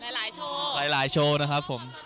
หลายโชว์หลายโชว์นะครับผม